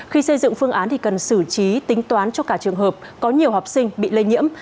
khi xây dựng phương án thì cần xử trí tính toán cho cả trường hợp có nhiều học sinh bị lây nhiễm